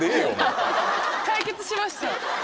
解決しました。